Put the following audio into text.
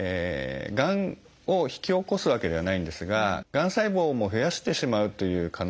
がんを引き起こすわけではないんですががん細胞も増やしてしまうという可能性があるんですね。